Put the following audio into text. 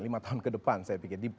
lima tahun ke depan saya pikir